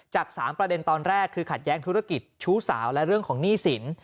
จาก๓ประเด็นตอนแรกคือขัดแย้งธุรกิจชู้สาวและเรื่องของหนี้สิน